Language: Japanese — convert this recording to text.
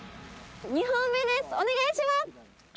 ２本目ですお願いします。